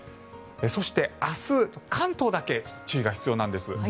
そして明日、関東だけ注意が必要なんです。